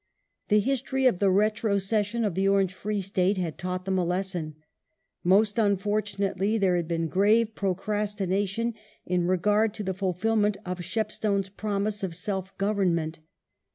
The history of the retrocession of the Orange Free State had taught them a lesson. Most unfortunately, there had been grave procrastination in regard to the fulfilment of Shepstone's promise of self government.